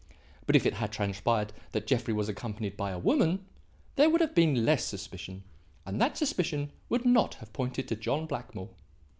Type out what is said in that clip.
But if it had transpired that Jeffrey was accompanied by a woman, there would have been less suspicion, and that suspicion would not have pointed to John Blackmore.